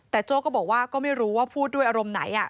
แต่โจ้ก็บอกว่าก็ไม่รู้ว่าพูดด้วยอารมณ์ไหน